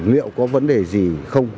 liệu có vấn đề gì không